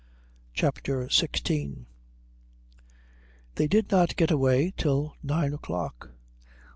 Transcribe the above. CHAPTER XVI They did not get away till nine o'clock.